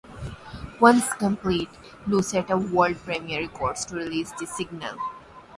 Once complete, Lu setup World Premier Records to release the single.